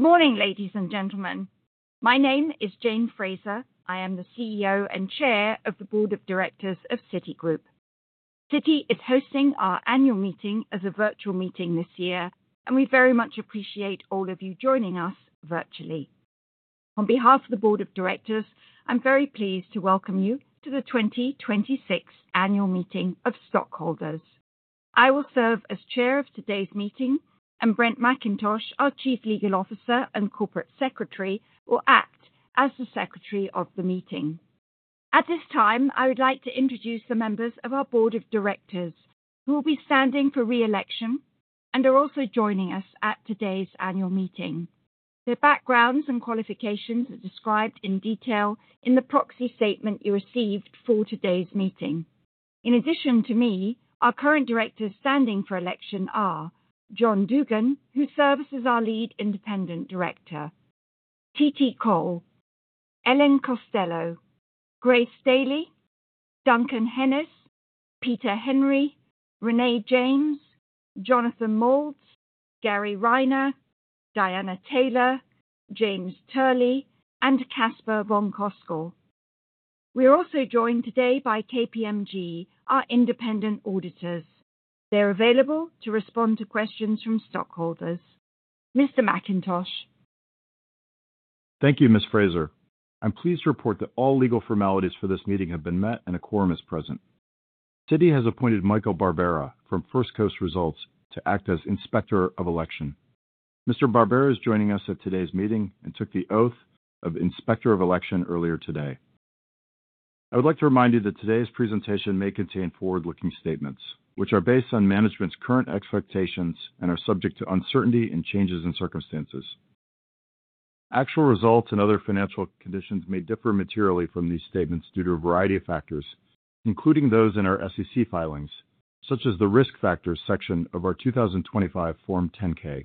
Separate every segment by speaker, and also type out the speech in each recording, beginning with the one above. Speaker 1: Good morning, ladies and gentlemen. My name is Jane Fraser. I am the CEO and Chair of the Board of Directors of Citigroup. Citi is hosting our annual meeting as a virtual meeting this year, and we very much appreciate all of you joining us virtually. On behalf of the Board of Directors, I'm very pleased to welcome you to the 2026 Annual Meeting of Stockholders. I will serve as Chair of today's meeting, and Brent McIntosh, our Chief Legal Officer and Corporate Secretary, will act as the Secretary of the meeting. At this time, I would like to introduce the members of our Board of Directors who will be standing for re-election and are also joining us at today's annual meeting. Their backgrounds and qualifications are described in detail in the proxy statement you received for today's meeting. In addition to me, our current directors standing for election are John Dugan, who serves as our Lead Independent Director, Titi Cole, Ellen Costello, Grace Dailey, Duncan Hennes, Peter Henry, Renée James, Jonathan Moulds, Gary Reiner, Diana Taylor, James Turley, and Casper von Koskull. We are also joined today by KPMG, our independent auditors. They're available to respond to questions from stockholders. Mr. McIntosh.
Speaker 2: Thank you, Ms. Fraser. I'm pleased to report that all legal formalities for this meeting have been met and a quorum is present. Citi has appointed Michael Barbera from First Coast Results to act as Inspector of Election. Mr. Barbera is joining us at today's meeting and took the oath of Inspector of Election earlier today. I would like to remind you that today's presentation may contain forward-looking statements, which are based on management's current expectations and are subject to uncertainty and changes in circumstances. Actual results and other financial conditions may differ materially from these statements due to a variety of factors, including those in our SEC filings, such as the Risk Factors section of our 2025 Form 10-K.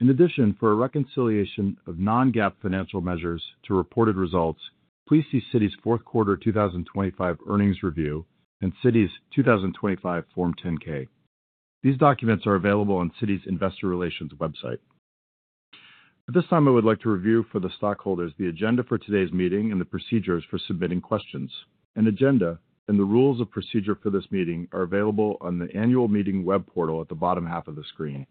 Speaker 2: In addition, for a reconciliation of non-GAAP financial measures to reported results, please see Citi's fourth quarter 2025 earnings review and Citi's 2025 Form 10-K. These documents are available on Citi's investor relations website. At this time, I would like to review for the stockholders the agenda for today's meeting and the procedures for submitting questions. An agenda and the rules of procedure for this meeting are available on the annual meeting web portal at the bottom half of the screen.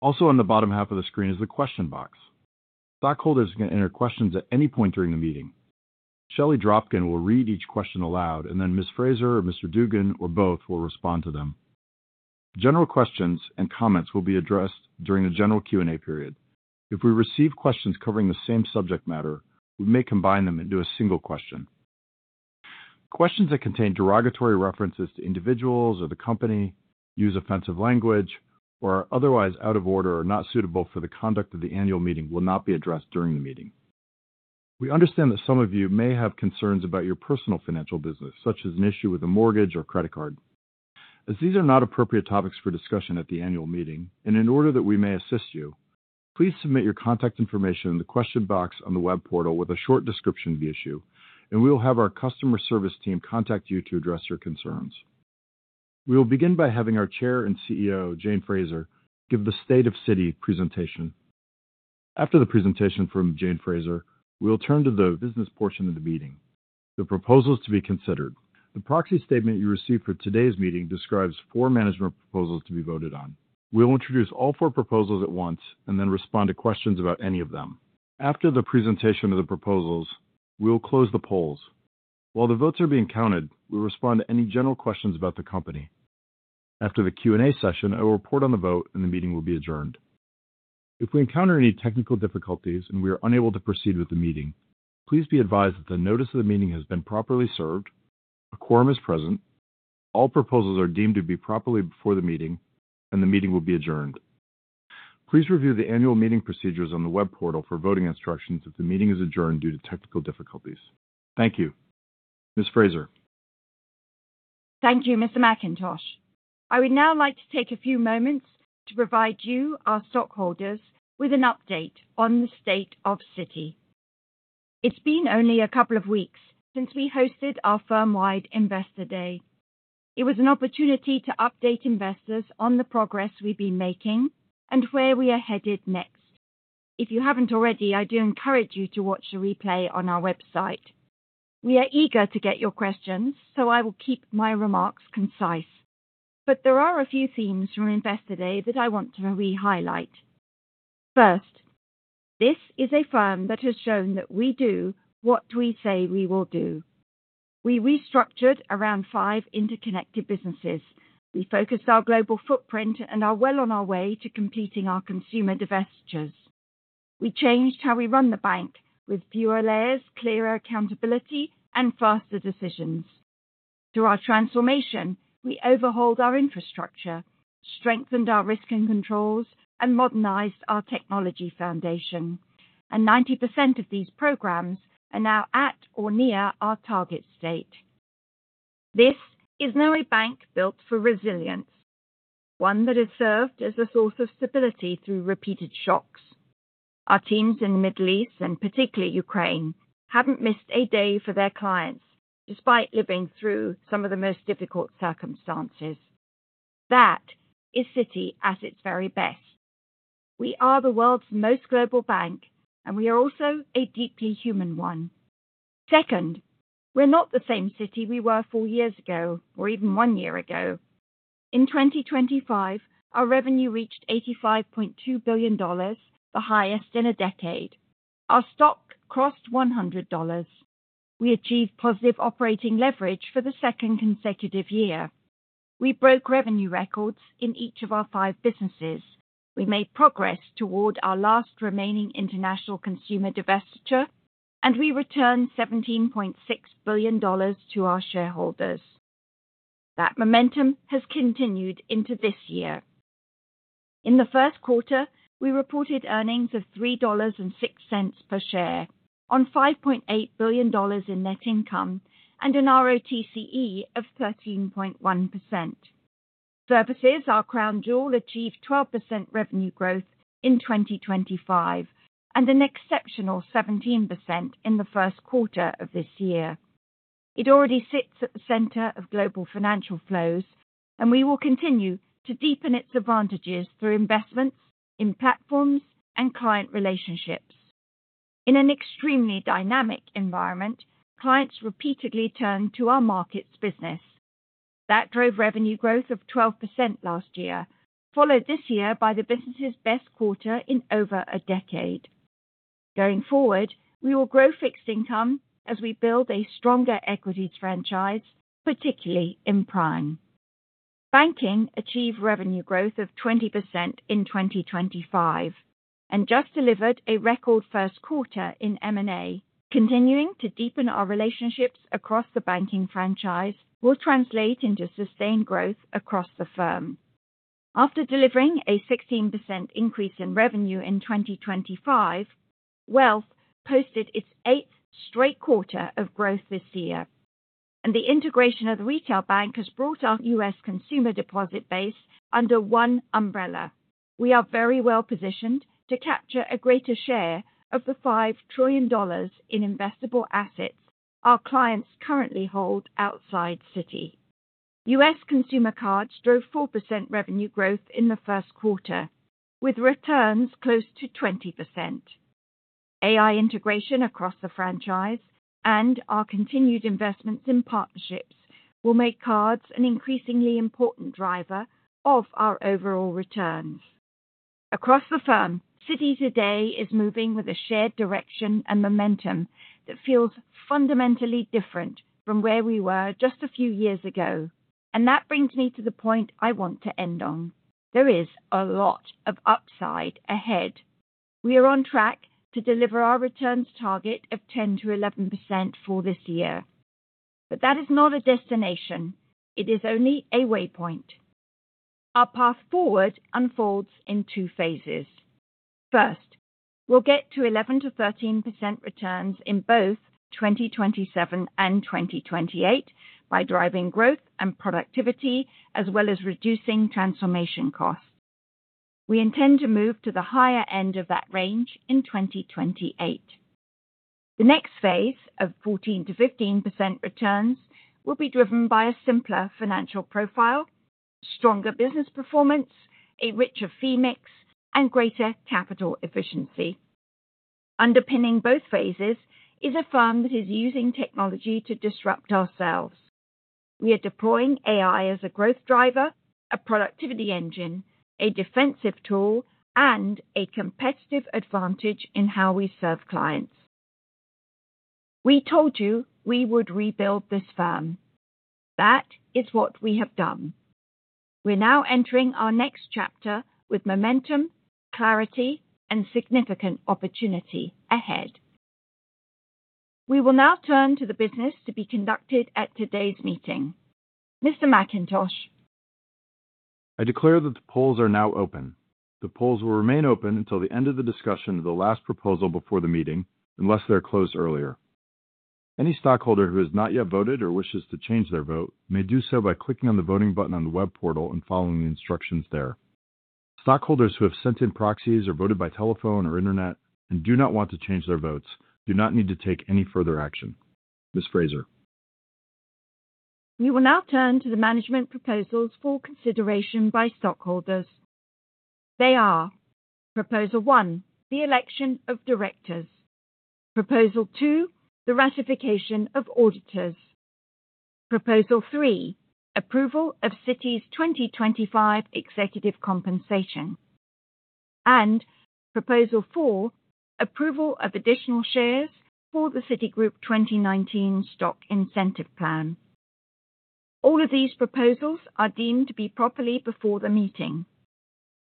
Speaker 2: Also on the bottom half of the screen is the question box. Stockholders can enter questions at any point during the meeting. Shelley Dropkin will read each question aloud, and then Ms. Fraser or Mr. Dugan or both will respond to them. General questions and comments will be addressed during the general Q&A period. If we receive questions covering the same subject matter, we may combine them into a single question. Questions that contain derogatory references to individuals or the company, use offensive language, or are otherwise out of order or not suitable for the conduct of the annual meeting will not be addressed during the meeting. We understand that some of you may have concerns about your personal financial business, such as an issue with a mortgage or credit card. As these are not appropriate topics for discussion at the annual meeting, and in order that we may assist you, please submit your contact information in the question box on the web portal with a short description of the issue, and we will have our customer service team contact you to address your concerns. We will begin by having our Chair and CEO, Jane Fraser, give the State of Citi presentation. After the presentation from Jane Fraser, we will turn to the business portion of the meeting. The proposals to be considered. The proxy statement you received for today's meeting describes four management proposals to be voted on. We will introduce all four proposals at once and then respond to questions about any of them. After the presentation of the proposals, we will close the polls. While the votes are being counted, we'll respond to any general questions about the company. After the Q&A session, I will report on the vote, and the meeting will be adjourned. If we encounter any technical difficulties and we are unable to proceed with the meeting, please be advised that the notice of the meeting has been properly served, a quorum is present, all proposals are deemed to be properly before the meeting, and the meeting will be adjourned. Please review the annual meeting procedures on the web portal for voting instructions if the meeting is adjourned due to technical difficulties. Thank you. Ms. Fraser.
Speaker 1: Thank you, Mr. McIntosh. I would now like to take a few moments to provide you, our stockholders, with an update on the State of Citi. It's been only a couple of weeks since we hosted our firm-wide Investor Day. It was an opportunity to update investors on the progress we've been making and where we are headed next. If you haven't already, I do encourage you to watch the replay on our website. We are eager to get your questions, so I will keep my remarks concise. There are a few themes from Investor Day that I want to re-highlight. First, this is a firm that has shown that we do what we say we will do. We restructured around five interconnected businesses. We focused our global footprint and are well on our way to completing our consumer divestitures. We changed how we run the bank with fewer layers, clearer accountability, and faster decisions. Through our transformation, we overhauled our infrastructure, strengthened our risk and controls, and modernized our technology foundation, and 90% of these programs are now at or near our target state. This is now a bank built for resilience, one that has served as a source of stability through repeated shocks. Our teams in the Middle East, and particularly Ukraine, haven't missed a day for their clients, despite living through some of the most difficult circumstances. That is Citi at its very best. We are the world's most global bank, and we are also a deeply human one. Second, we're not the same Citi we were four years ago, or even one year ago. In 2025, our revenue reached $85.2 billion, the highest in a decade. Our stock crossed $100. We achieved positive operating leverage for the second consecutive year. We broke revenue records in each of our five businesses. We made progress toward our last remaining international consumer divestiture, and we returned $17.6 billion to our shareholders. That momentum has continued into this year. In the first quarter, we reported earnings of $3.06 per share on $5.8 billion in net income and an ROTCE of 13.1%. Services, our crown jewel, achieved 12% revenue growth in 2025 and an exceptional 17% in the first quarter of this year. It already sits at the center of global financial flows, and we will continue to deepen its advantages through investments in platforms and client relationships. In an extremely dynamic environment, clients repeatedly turn to our Markets business. That drove revenue growth of 12% last year, followed this year by the business's best quarter in over a decade. Going forward, we will grow fixed income as we build a stronger equities franchise, particularly in prime. Banking achieved revenue growth of 20% in 2025 and just delivered a record first quarter in M&A. Continuing to deepen our relationships across the Banking franchise will translate into sustained growth across the firm. After delivering a 16% increase in revenue in 2025, Wealth posted its eighth straight quarter of growth this year, and the integration of the retail bank has brought our U.S. consumer deposit base under one umbrella. We are very well-positioned to capture a greater share of the $5 trillion in investable assets our clients currently hold outside Citi. U.S. consumer cards drove 4% revenue growth in the first quarter, with returns close to 20%. AI integration across the franchise and our continued investments in partnerships will make cards an increasingly important driver of our overall returns. Across the firm, Citi today is moving with a shared direction and momentum that feels fundamentally different from where we were just a few years ago, and that brings me to the point I want to end on. There is a lot of upside ahead. We are on track to deliver our returns target of 10%-11% for this year. But that is not a destination, it is only a waypoint. Our path forward unfolds in two phases. First, we'll get to 11%-13% returns in both 2027 and 2028 by driving growth and productivity as well as reducing transformation costs. We intend to move to the higher end of that range in 2028. The next phase of 14%-15% returns will be driven by a simpler financial profile, stronger business performance, a richer fee mix, and greater capital efficiency. Underpinning both phases is a firm that is using technology to disrupt ourselves. We are deploying AI as a growth driver, a productivity engine, a defensive tool, and a competitive advantage in how we serve clients. We told you we would rebuild this firm. That is what we have done. We're now entering our next chapter with momentum, clarity, and significant opportunity ahead. We will now turn to the business to be conducted at today's meeting. Mr. McIntosh.
Speaker 2: I declare that the polls are now open. The polls will remain open until the end of the discussion of the last proposal before the meeting, unless they are closed earlier. Any stockholder who has not yet voted or wishes to change their vote may do so by clicking on the voting button on the web portal and following the instructions there. Stockholders who have sent in proxies or voted by telephone or internet and do not want to change their votes do not need to take any further action. Ms. Fraser.
Speaker 1: We will now turn to the management proposals for consideration by stockholders. They are, Proposal 1, the election of directors; Proposal 2, the ratification of auditors; Proposal 3, approval of Citi's 2025 executive compensation; and Proposal 4, approval of additional shares for the Citigroup 2019 Stock Incentive Plan. All of these proposals are deemed to be properly before the meeting.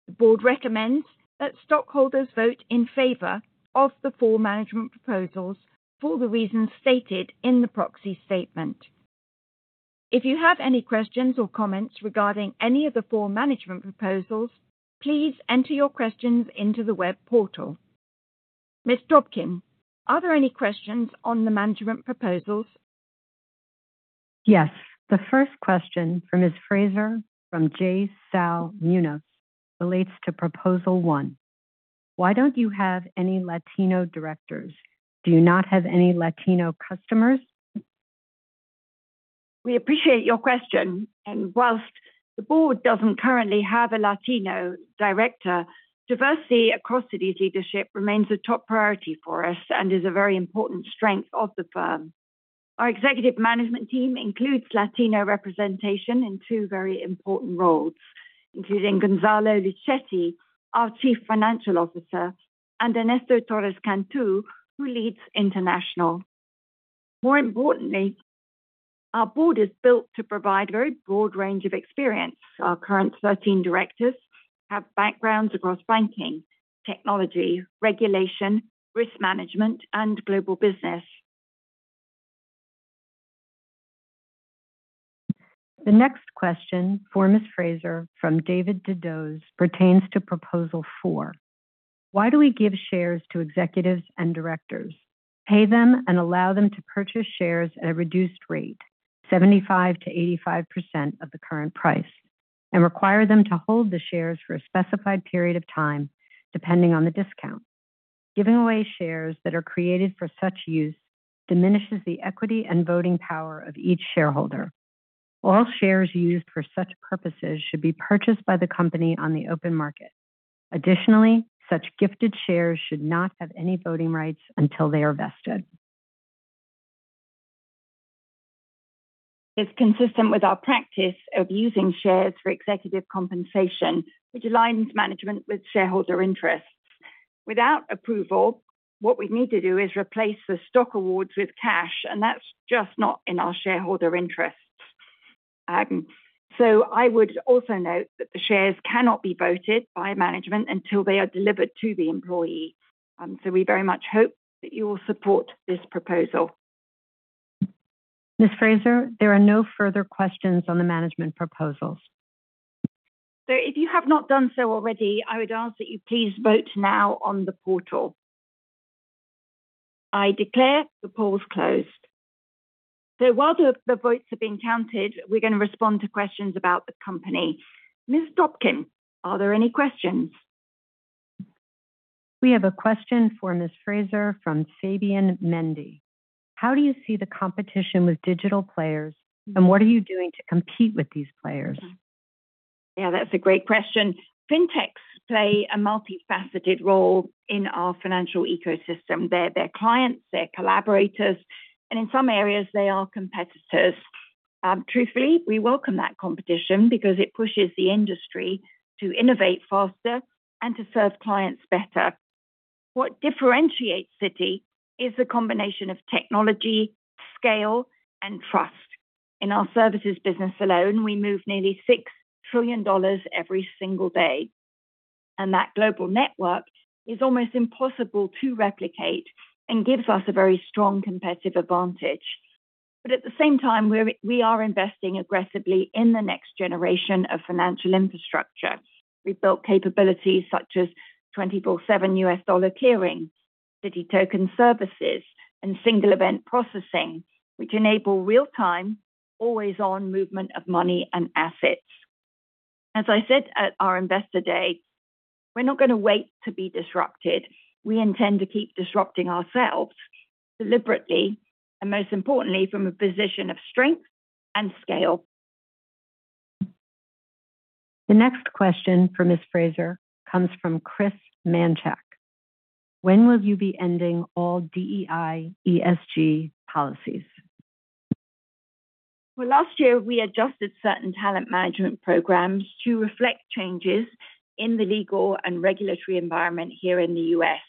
Speaker 1: The board recommends that stockholders vote in favor of the four management proposals for the reasons stated in the proxy statement. If you have any questions or comments regarding any of the four management proposals, please enter your questions into the web portal. Ms. Dropkin, are there any questions on the management proposals?
Speaker 3: Yes. The first question for Ms. Fraser from [J. Sal Munoz] relates to Proposal 1. Why don't you have any Latino directors? Do you not have any Latino customers?
Speaker 1: We appreciate your question, and whilst the board doesn't currently have a Latino director, diversity across Citi's leadership remains a top priority for us and is a very important strength of the firm. Our executive management team includes Latino representation in two very important roles, including Gonzalo Luchetti, our Chief Financial Officer, and Ernesto Torres Cantú, who leads international. More importantly, our board is built to provide a very broad range of experience. Our current 13 directors have backgrounds across banking, technology, regulation, risk management, and global business.
Speaker 3: The next question for Ms. Fraser from [David Dedoes] pertains to Proposal 4. Why do we give shares to executives and directors, pay them and allow them to purchase shares at a reduced rate, 75%-85% of the current price, and require them to hold the shares for a specified period of time, depending on the discount? Giving away shares that are created for such use diminishes the equity and voting power of each shareholder. All shares used for such purposes should be purchased by the company on the open market. Additionally, such gifted shares should not have any voting rights until they are vested.
Speaker 1: It's consistent with our practice of using shares for executive compensation, which aligns management with shareholder interests. Without approval, what we'd need to do is replace the stock awards with cash, and that's just not in our shareholder interests. I would also note that the shares cannot be voted by management until they are delivered to the employee. We very much hope that you will support this proposal.
Speaker 3: Ms. Fraser, there are no further questions on the management proposals.
Speaker 1: If you have not done so already, I would ask that you please vote now on the portal. I declare the polls closed. While the votes are being counted, we're going to respond to questions about the company. Ms. Dropkin, are there any questions?
Speaker 3: We have a question for Ms. Fraser from [Fabian Mendy]. How do you see the competition with digital players, and what are you doing to compete with these players?
Speaker 1: Yeah, that's a great question. Fintechs play a multifaceted role in our financial ecosystem. They're clients, they're collaborators, and in some areas, they are competitors. Truthfully, we welcome that competition because it pushes the industry to innovate faster and to serve clients better. What differentiates Citi is the combination of technology, scale, and trust. In our Services business alone, we move nearly $6 trillion every single day, and that global network is almost impossible to replicate and gives us a very strong competitive advantage. At the same time, we are investing aggressively in the next generation of financial infrastructure. We've built capabilities such as 24/7 U.S. dollar clearing, Citi Token Services, and Single Event Processing, which enable real-time, always-on movement of money and assets. As I said at our Investor Day, we're not going to wait to be disrupted. We intend to keep disrupting ourselves deliberately and most importantly, from a position of strength and scale.
Speaker 3: The next question for Ms. Fraser comes from [Chris Manchak]. When will you be ending all DEI, ESG policies?
Speaker 1: Well, last year, we adjusted certain talent management programs to reflect changes in the legal and regulatory environment here in the U.S.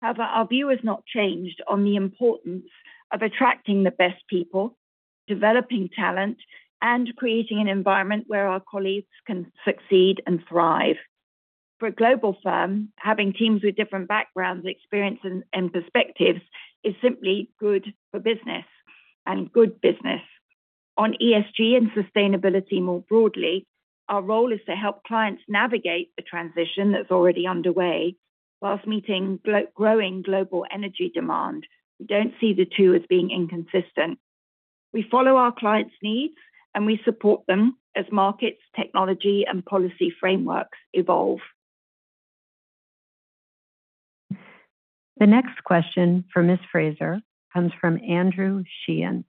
Speaker 1: However, our view has not changed on the importance of attracting the best people, developing talent, and creating an environment where our colleagues can succeed and thrive. For a global firm, having teams with different backgrounds, experiences, and perspectives is simply good for business and good business. On ESG and sustainability more broadly, our role is to help clients navigate the transition that's already underway whilst meeting growing global energy demand. We don't see the two as being inconsistent. We follow our clients' needs, and we support them as markets, technology, and policy frameworks evolve.
Speaker 3: The next question for Ms. Fraser comes from [Andrew Sheehan].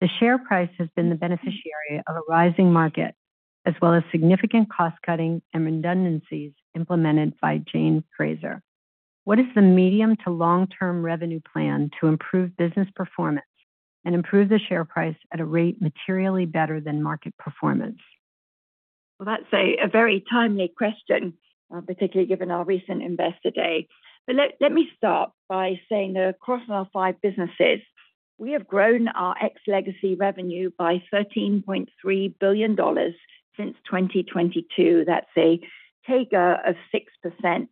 Speaker 3: The share price has been the beneficiary of a rising market as well as significant cost-cutting and redundancies implemented by Jane Fraser. What is the medium to long-term revenue plan to improve business performance and improve the share price at a rate materially better than market performance?
Speaker 1: Well, that's a very timely question, particularly given our recent Investor Day. Let me start by saying that across our five businesses, we have grown our ex-legacy revenue by $13.3 billion since 2022. That's a CAGR of 6%.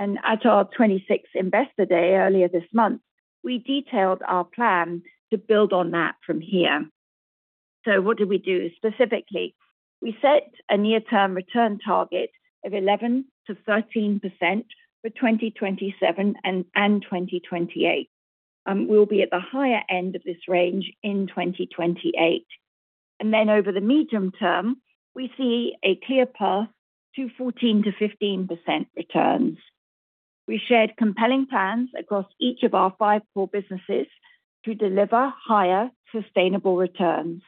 Speaker 1: At our 2026 Investor Day earlier this month, we detailed our plan to build on that from here. What did we do specifically? We set a near-term return target of 11%-13% for 2027 and 2028. We'll be at the higher end of this range in 2028. Over the medium term, we see a clear path to 14%-15% returns. We shared compelling plans across each of our five core businesses to deliver higher sustainable returns.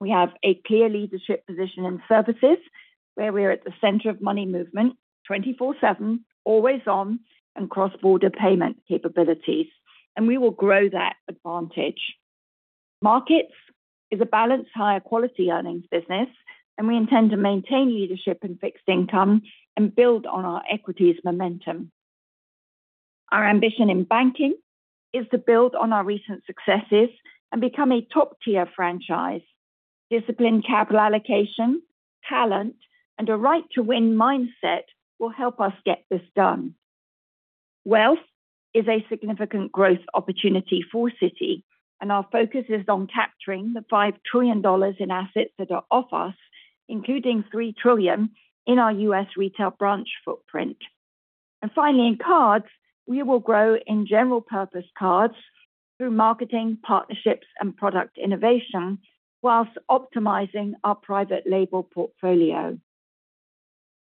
Speaker 1: We have a clear leadership position in Services, where we are at the center of money movement 24/7, always on, and cross-border payment capabilities. We will grow that advantage. Markets is a balanced, higher-quality earnings business, and we intend to maintain leadership in fixed income and build on our equities momentum. Our ambition in Banking is to build on our recent successes and become a top-tier franchise. Disciplined capital allocation, talent, and a right-to-win mindset will help us get this done. Wealth is a significant growth opportunity for Citi, and our focus is on capturing the $5 trillion in assets that are off us, including $3 trillion in our U.S. retail branch footprint. Finally, in Cards, we will grow in general purpose cards through marketing, partnerships, and product innovation, whilst optimizing our private label portfolio.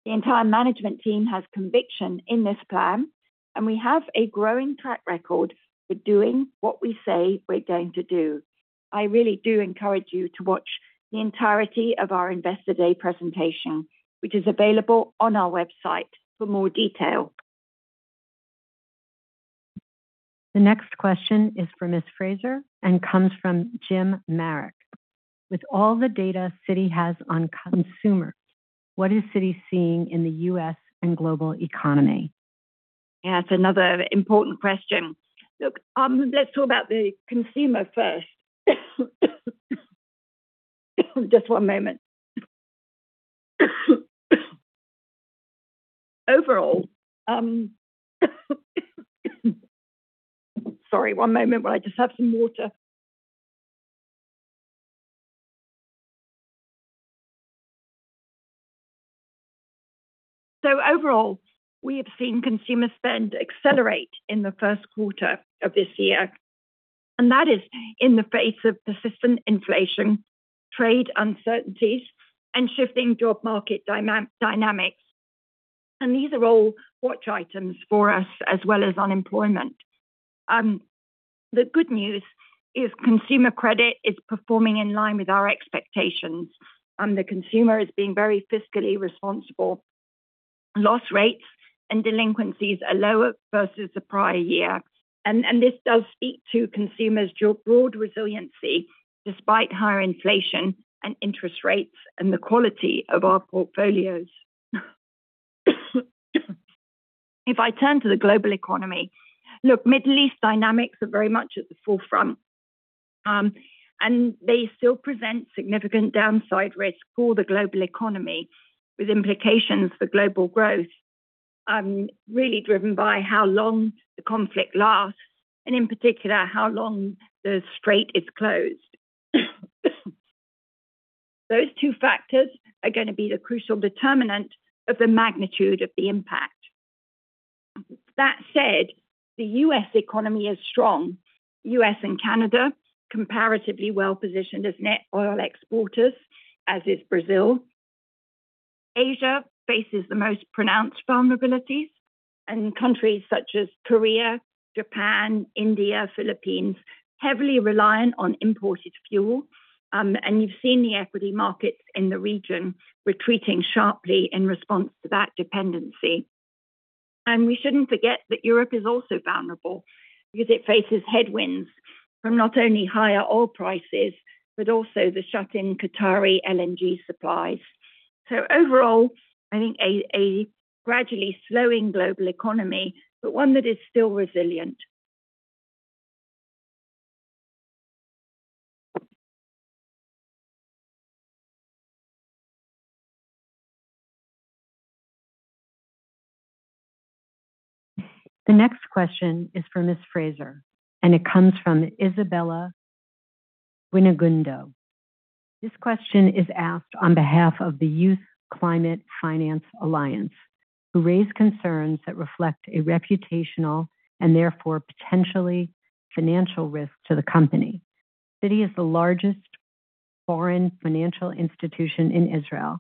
Speaker 1: The entire management team has conviction in this plan, and we have a growing track record for doing what we say we're going to do. I really do encourage you to watch the entirety of our Investor Day presentation, which is available on our website for more detail.
Speaker 3: The next question is for Ms. Fraser and comes from [Jim Merrick]. With all the data Citi has on consumers, what is Citi seeing in the U.S. and global economy?
Speaker 1: Yeah, it's another important question. Look, let's talk about the consumer first. Just one moment. Sorry, one moment while I just have some water. Overall, we have seen consumer spend accelerate in the first quarter of this year, and that is in the face of persistent inflation, trade uncertainties, and shifting job market dynamics. These are all watch items for us as well as unemployment. The good news is consumer credit is performing in line with our expectations, and the consumer is being very fiscally responsible. Loss rates and delinquencies are lower versus the prior year, and this does speak to consumers' broad resiliency despite higher inflation and interest rates and the quality of our portfolios. If I turn to the global economy, look, Middle East dynamics are very much at the forefront. They still present significant downside risk for the global economy with implications for global growth, really driven by how long the conflict lasts and, in particular, how long the strait is closed. Those two factors are going to be the crucial determinant of the magnitude of the impact. That said, the U.S. economy is strong. U.S. and Canada, comparatively well-positioned as net oil exporters, as is Brazil. Asia faces the most pronounced vulnerabilities, and countries such as Korea, Japan, India, Philippines, heavily reliant on imported fuel. And you've seen the equity markets in the region retreating sharply in response to that dependency. We shouldn't forget that Europe is also vulnerable because it faces headwinds from not only higher oil prices, but also the shut-in Qatari LNG supplies. Overall, I think a gradually slowing global economy, but one that is still resilient.
Speaker 3: The next question is for Ms. Fraser, and it comes from Isabella Guinigundo. This question is asked on behalf of the Youth Climate Finance Alliance, who raise concerns that reflect a reputational and therefore potentially financial risk to the company. Citi is the largest foreign financial institution in Israel,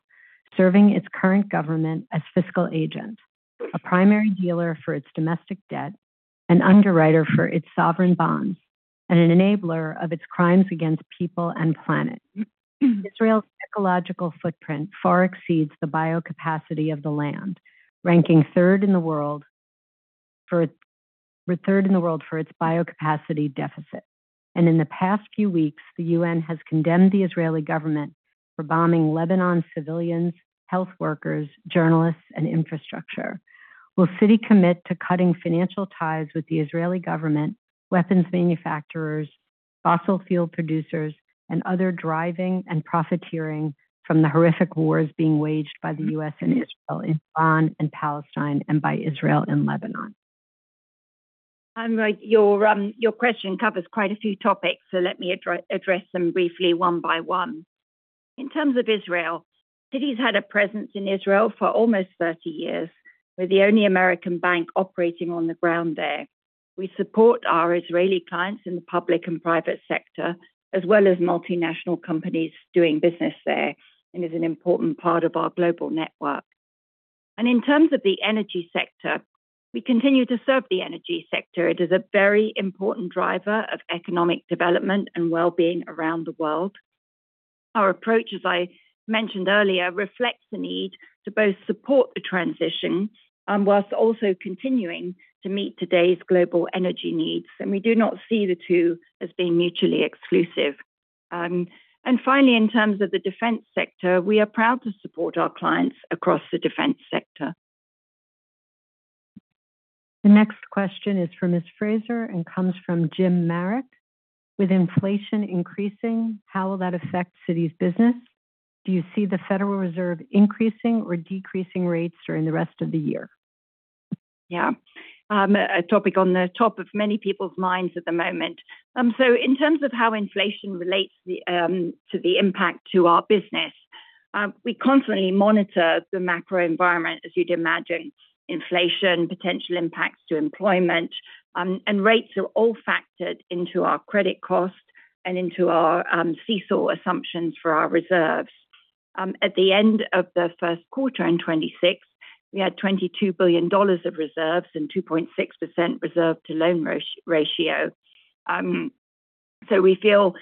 Speaker 3: serving its current government as fiscal agent, a primary dealer for its domestic debt, an underwriter for its sovereign bonds, and an enabler of its crimes against people and planet. Israel's ecological footprint far exceeds the biocapacity of the land, ranking third in the world for its biocapacity deficit. In the past few weeks, the UN has condemned the Israeli government for bombing Lebanon civilians, health workers, journalists, and infrastructure. Will Citi commit to cutting financial ties with the Israeli government, weapons manufacturers, fossil fuel producers, and other driving and profiteering from the horrific wars being waged by the U.S., Israel in Iran, and Palestine and by Israel in Lebanon?
Speaker 1: Your question covers quite a few topics, so let me address them briefly one by one. In terms of Israel, Citi's had a presence in Israel for almost 30 years. We're the only American bank operating on the ground there. We support our Israeli clients in the public and private sector, as well as multinational companies doing business there, and is an important part of our global network. In terms of the energy sector, we continue to serve the energy sector. It is a very important driver of economic development and wellbeing around the world. Our approach, as I mentioned earlier, reflects the need to both support the transition whilst also continuing to meet today's global energy needs. We do not see the two as being mutually exclusive. Finally, in terms of the defense sector, we are proud to support our clients across the defense sector.
Speaker 3: The next question is for Ms. Fraser and comes from [Jim Merrick]. With inflation increasing, how will that affect Citi's business? Do you see the Federal Reserve increasing or decreasing rates during the rest of the year?
Speaker 1: Yeah, a topic on the top of many people's minds at the moment. In terms of how inflation relates to the impact to our business, we constantly monitor the macro environment, as you'd imagine. Inflation, potential impacts to employment, and rates are all factored into our credit cost and into our CECL assumptions for our reserves. At the end of the first quarter in 2026, we had $22 billion of reserves and 2.6% reserve to loan ratio. We feel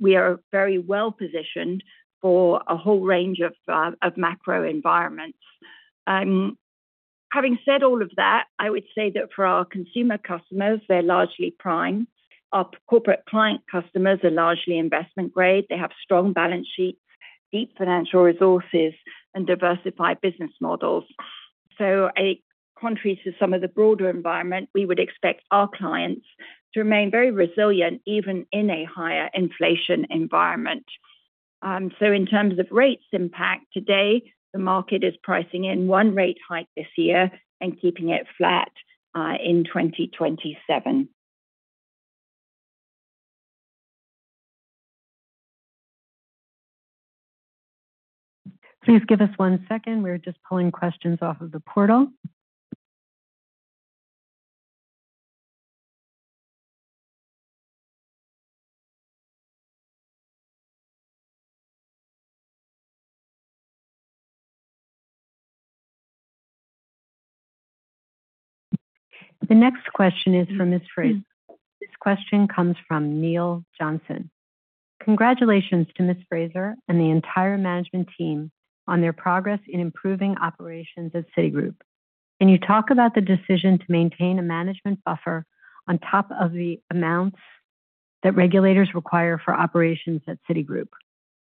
Speaker 1: we are very well-positioned for a whole range of macro environments. Having said all of that, I would say that for our consumer customers, they're largely prime. Our corporate client customers are largely investment grade. They have strong balance sheets, deep financial resources, and diversified business models. Contrary to some of the broader environment, we would expect our clients to remain very resilient, even in a higher inflation environment. In terms of rates impact, today, the market is pricing in one rate hike this year and keeping it flat in 2027.
Speaker 3: Please give us one second. We're just pulling questions off of the portal. The next question is for Ms. Fraser. This question comes from [Neil Johnson]. Congratulations to Ms. Fraser and the entire management team on their progress in improving operations at Citigroup. Can you talk about the decision to maintain a management buffer on top of the amounts that regulators require for operations at Citigroup?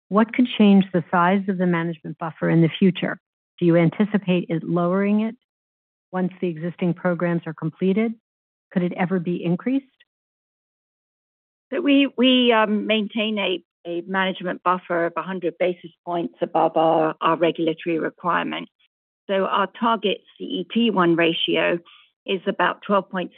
Speaker 3: What could change the size of the management buffer in the future? Do you anticipate it lowering it once the existing programs are completed? Could it ever be increased?
Speaker 1: We maintain a management buffer of 100 basis points above our regulatory requirement. Our target CET1 ratio is about 12.6%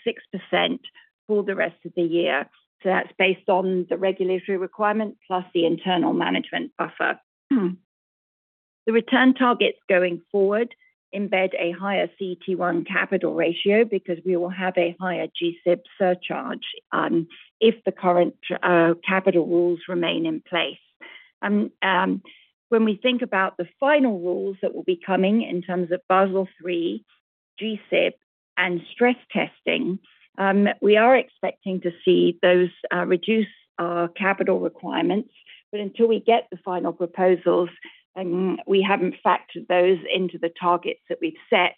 Speaker 1: for the rest of the year. That's based on the regulatory requirement plus the internal management buffer. The return targets going forward embed a higher CET1 capital ratio because we will have a higher G-SIB surcharge if the current capital rules remain in place. When we think about the final rules that will be coming in terms of Basel III, G-SIB, and stress testing, we are expecting to see those reduce our capital requirements. Until we get the final proposals, we haven't factored those into the targets that we've set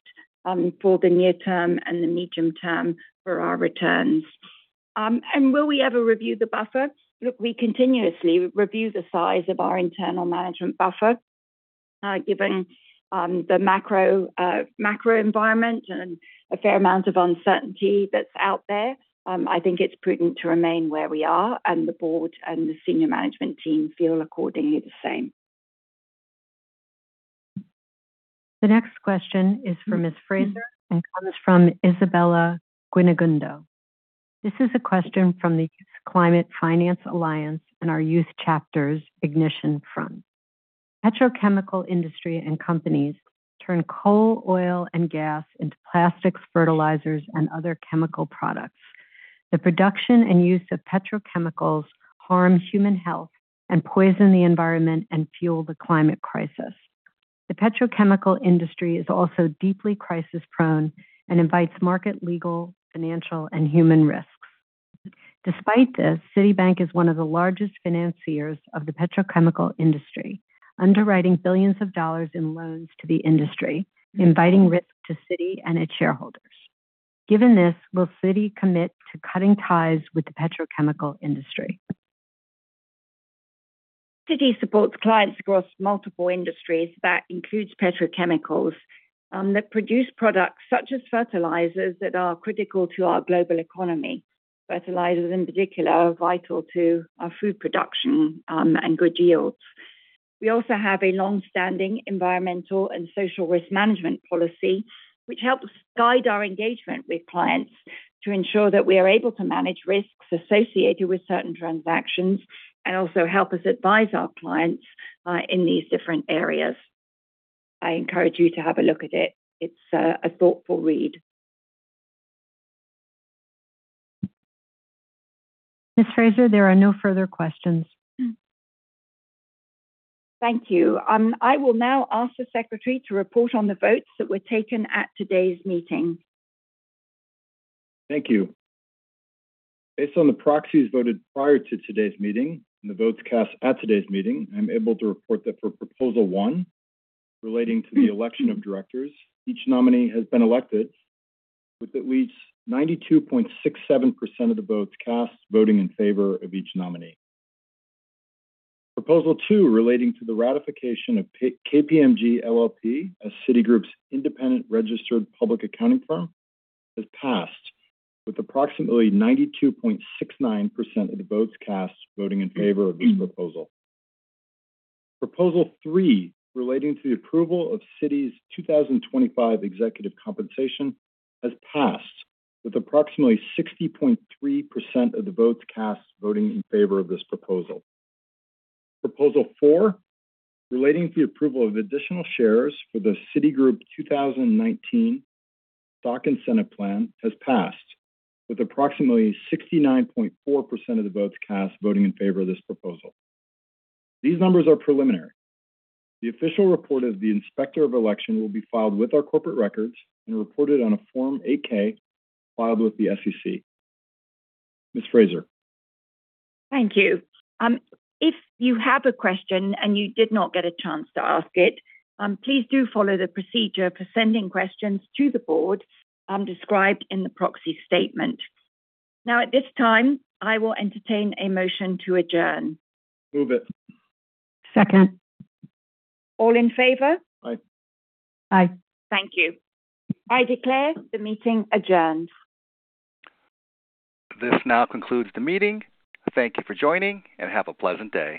Speaker 1: for the near term and the medium term for our returns. Will we ever review the buffer? Look, we continuously review the size of our internal management buffer. Given the macro environment and a fair amount of uncertainty that's out there, I think it's prudent to remain where we are, and the board and the senior management team feel accordingly the same.
Speaker 3: The next question is for Ms. Fraser and comes from Isabella Guinigundo. This is a question from the Youth Climate Finance Alliance and our youth chapter's Ignition Front. Petrochemical industry and companies turn coal, oil, and gas into plastics, fertilizers, and other chemical products. The production and use of petrochemicals harm human health and poison the environment and fuel the climate crisis. The petrochemical industry is also deeply crisis-prone and invites market legal, financial, and human risks. Despite this, Citibank is one of the largest financiers of the petrochemical industry, underwriting billions of dollars in loans to the industry, inviting risk to Citi and its shareholders. Given this, will Citi commit to cutting ties with the petrochemical industry?
Speaker 1: Citi supports clients across multiple industries. That includes petrochemicals that produce products such as fertilizers that are critical to our global economy. Fertilizers, in particular, are vital to our food production and good yields. We also have a longstanding environmental and social risk management policy, which helps guide our engagement with clients to ensure that we are able to manage risks associated with certain transactions, and also help us advise our clients in these different areas. I encourage you to have a look at it. It's a thoughtful read.
Speaker 3: Ms. Fraser, there are no further questions.
Speaker 1: Thank you. I will now ask the Secretary to report on the votes that were taken at today's meeting.
Speaker 2: Thank you. Based on the proxies voted prior to today's meeting and the votes cast at today's meeting, I'm able to report that for Proposal 1, relating to the election of directors, each nominee has been elected with at least 92.67% of the votes cast voting in favor of each nominee. Proposal 2, relating to the ratification of KPMG LLP as Citigroup's independent registered public accounting firm, has passed with approximately 92.69% of the votes cast voting in favor of this proposal. Proposal 3, relating to the approval of Citi's 2025 executive compensation, has passed with approximately 60.3% of the votes cast voting in favor of this proposal. Proposal 4, relating to the approval of additional shares for the Citigroup 2019 Stock Incentive Plan, has passed with approximately 69.4% of the votes cast voting in favor of this proposal. These numbers are preliminary. The official report of the Inspector of Election will be filed with our corporate records and reported on a Form 8-K filed with the SEC. Ms. Fraser.
Speaker 1: Thank you. If you have a question and you did not get a chance to ask it, please do follow the procedure for sending questions to the board described in the proxy statement. At this time, I will entertain a motion to adjourn.
Speaker 2: Move it.
Speaker 3: Second.
Speaker 1: All in favor?
Speaker 2: Aye.
Speaker 3: Aye.
Speaker 1: Thank you. I declare the meeting adjourned.
Speaker 2: This now concludes the meeting. Thank you for joining, and have a pleasant day.